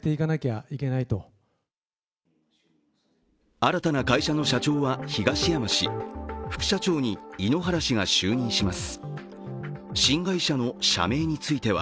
新たな会社の社長は東山氏、副社長に井ノ原氏が就任します。